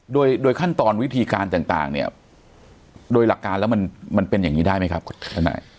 โดยโดยขั้นตอนวิธีการต่างเนี่ยโดยหลักการแล้วมันเป็นอย่างนี้ได้ไหมครับทนาย